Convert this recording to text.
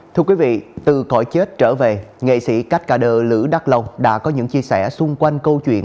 thưa quý vị từ khỏi chết trở về nghệ sĩ cát cà đơ lữ đắc long đã có những chia sẻ xung quanh câu chuyện